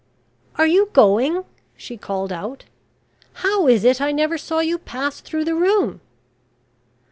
"Are you going?" she called out. "How is it I never saw you pass through the room?"